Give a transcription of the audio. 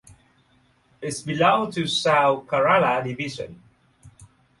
It belongs to South Kerala Division.